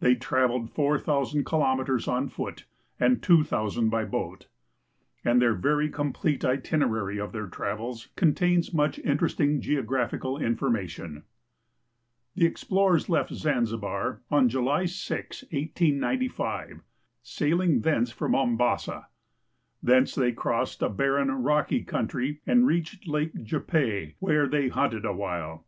They traveled 4,000 kilometers on foot and L',000 by boat, and their very com|»lete itinerary of their travels contains much interesting geographical information. The ex])lorers left Zanzibar on July (>, 1895, sailing thence for ]\Iombasa. Thence they crossed a barren, rocky country and reached Lake .Tipe. wiiere they hunted a while.